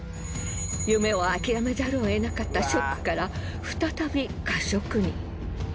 夢を諦めざるを得なかったショックから再び過食に。